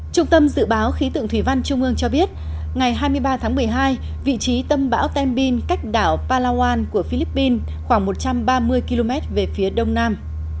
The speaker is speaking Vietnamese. trung tâm dự báo khí tượng thủy văn trung ương cho biết ngày hai mươi ba tháng một mươi hai vị trí tâm bão tem bin cách đảo palawan của philippines khoảng một trăm ba mươi km về phía đông nam